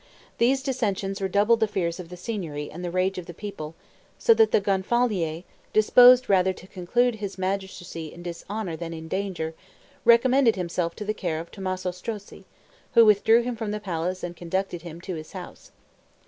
These dissensions redoubled the fears of the Signory and the rage of the people, so that the Gonfalonier, disposed rather to conclude his magistracy in dishonor than in danger, recommended himself to the care of Tommaso Strozzi, who withdrew him from the palace and conducted him to his house.